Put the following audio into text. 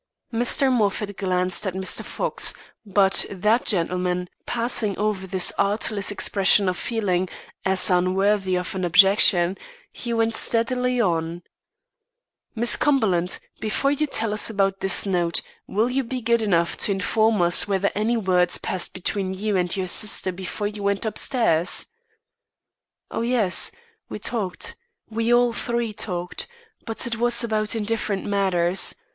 Mr. Moffat glanced at Mr. Fox; but that gentleman, passing over this artless expression of feeling, as unworthy an objection, he went steadily on: "Miss Cumberland, before you tell us about this note, will you be good enough to inform us whether any words passed between you and your sister before you went upstairs?" "Oh, yes; we talked. We all three talked, but it was about indifferent matters.